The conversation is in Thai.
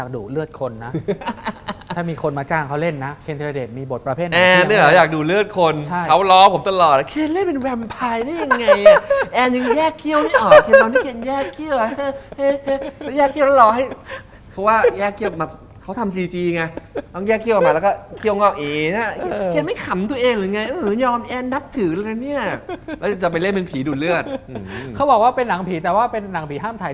ก็รักแค่ช่วงเวลานั้นรึเปล่าไง